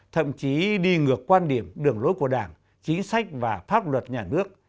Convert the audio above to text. thậm chí đi ngược quan điểm đường lối của đảng chính sách và pháp luật nhà nước